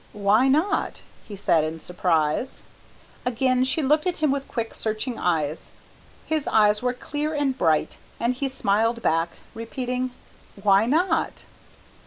"Why not?" he said in surprise. Again she looked at him with quick searching eyes. His eyes were clear and bright, and he smiled back, repeating, "Why not?"